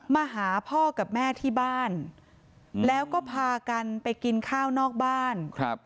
มาหาพ่อกับแม่ที่บ้านแล้วก็พากันไปกินข้าวนอกบ้านครับ